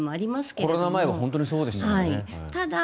コロナ前は本当にそうでしたよね。